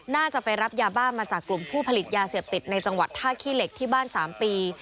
น่าจะไปรับยาบ้ามาจากกลุ่มผู้ผลิตยาเสพติดในจังหวัดท่าขี้เหล็กที่บ้าน๓ปี